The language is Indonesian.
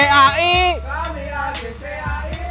berlatih setiap hari